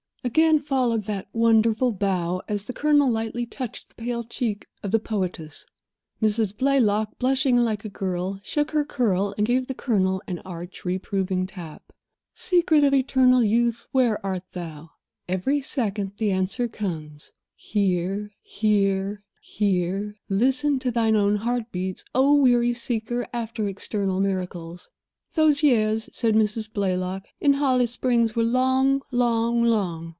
Again followed that wonderful bow, as the Colonel lightly touched the pale cheek of the poetess. Mrs. Blaylock, blushing like a girl, shook her curl and gave the Colonel an arch, reproving tap. Secret of eternal youth—where art thou? Every second the answer comes—"Here, here, here." Listen to thine own heartbeats, O weary seeker after external miracles. "Those years," said Mrs. Blaylock, "in Holly Springs were long, long, long.